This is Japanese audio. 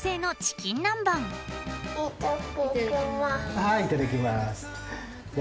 はいいただきます。